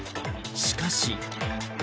しかし。